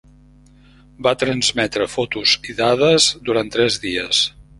Va transmetre fotos i dades durant tres dies.